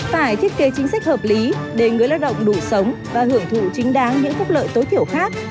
phải thiết kế chính sách hợp lý để người lao động đủ sống và hưởng thụ chính đáng những phúc lợi tối thiểu khác